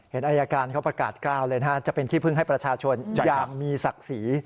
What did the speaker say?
อายการเขาประกาศกล้าวเลยนะฮะจะเป็นที่พึ่งให้ประชาชนอย่างมีศักดิ์ศรี